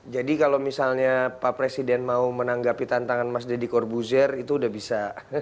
jadi kalau misalnya pak presiden mau menanggapi tantangan mas deddy corbuzier itu udah bisa